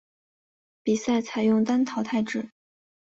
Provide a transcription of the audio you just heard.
比赛采用单淘汰制。